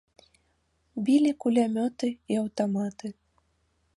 Білі кулямёты і аўтаматы.